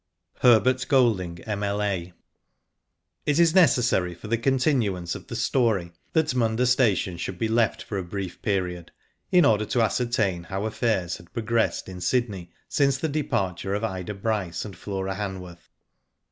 HERBERT GOLDING, M.L.A. It is necessary for the continuance of the story that Munda Station should be left for a brief period, in order to ascertain how affairs had pro gressed in Sydney since the departure of Ida Bryceand Flora Hanworth.